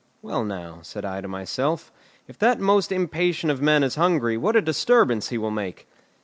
"Well, now," said I to myself, "if that most impatient of men is hungry, what a disturbance he will make!"